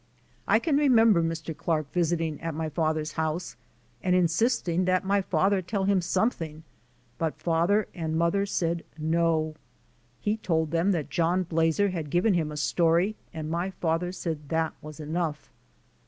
I can remember Mr. Olark visiting at my father's house and insisting that my father tell him something but father and mother said no. He told them that John Blazer had given him a story and my father said that was enough.